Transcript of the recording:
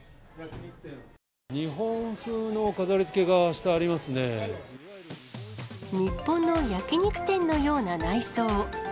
日本風の飾りつけがしてあり日本の焼き肉店のような内装。